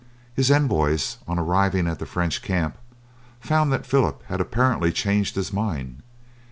His envoys, on arriving at the French camp, found that Phillip had apparently changed his mind.